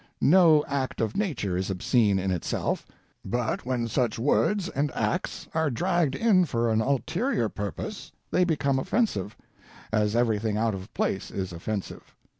No act of nature is obscene in itself but when such words and acts are dragged in for an ulterior purpose they become offensive, as everything out of place is offensive.